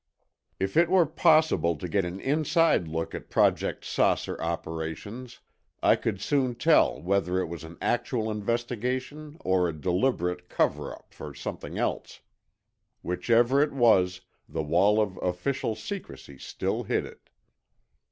If it were possible to get an inside look at Project "Saucer" operations, I could soon tell whether it was an actual investigation or a deliberate cover up for something else. Whichever it was, the wall of official. secrecy still hid it.